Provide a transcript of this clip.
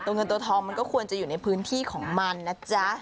เงินตัวทองมันก็ควรจะอยู่ในพื้นที่ของมันนะจ๊ะ